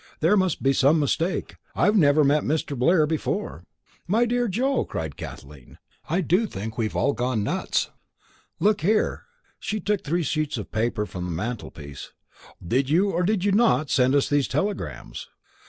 "There must be some mistake, I've never met Mr. Blair before." "My dear Joe," cried Kathleen, "I do think we have all gone nuts. Look here!" She took three sheets of paper from the mantelpiece. "Did you or did you not send us those telegrams?"